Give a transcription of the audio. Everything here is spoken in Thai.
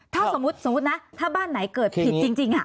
ถ้าสมมุตินะถ้าบ้านไหนเกิดผิดจริง